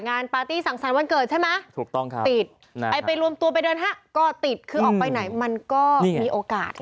งานปาร์ตี้สั่งสารวันเกิดใช่ไหมติดไปรวมตัวไปเดินฮะก็ติดคือออกไปไหนมันก็มีโอกาส